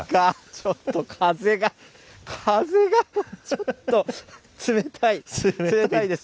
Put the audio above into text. ちょっと風が、風が、ちょっと、冷たい、冷たいです。